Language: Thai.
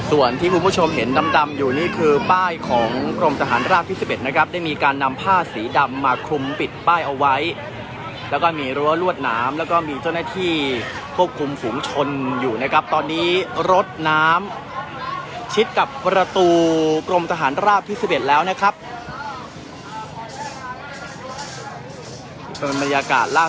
ส่วนที่คุณผู้ชมเห็นดำดำอยู่นี่คือป้ายของกรมสถานราชพิศพิศพิศพิศพิศพิศพิศพิศพิศพิศพิศพิศพิศพิศพิศพิศพิศพิศพิศพิศพิศพิศพิศพิศพิศพิศพิศพิศพิศพิศพิศพิศพิศพิศพิศพิศพิศพิศพิศพิศพิศพิศพิศพิศ